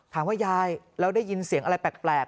ยายแล้วได้ยินเสียงอะไรแปลก